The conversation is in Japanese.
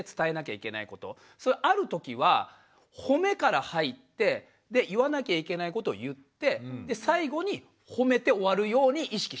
それあるときは褒めから入ってで言わなきゃいけないことを言って最後に褒めて終わるように意識してます。